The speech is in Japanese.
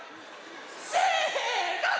せの！